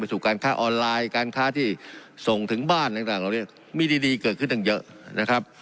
ไปสู่การค่าออนไลน์การค่าที่ส่งถึงบ้านต่างเราเรียกมีดีเกิดขึ้นอย่างเยอะ